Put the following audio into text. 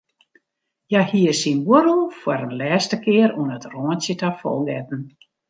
Hja hie syn buorrel foar in lêste kear oan it rântsje ta fol getten.